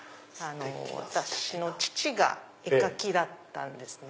私の父が絵描きだったんですね。